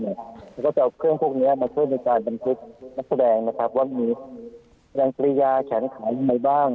แล้วก็จะเอาเครื่องพวกนี้มาช่วยในการบันทึกนักแสดงนะครับว่ามีแรงกริยาแขนขายังไงบ้าง